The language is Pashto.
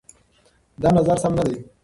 دا نظر سم نه دی.